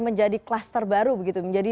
menjadi klaster baru begitu